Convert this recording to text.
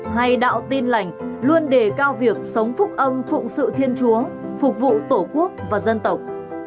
hay đạo tin lành luôn đề cao việc sống phúc âm phụng sự thiên chúa phục vụ tổ quốc và dân tộc